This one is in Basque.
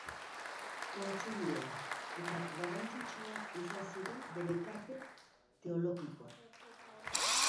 Kontzilioan, eta garrantzitsuak izan ziren bere ekarpen teologikoak.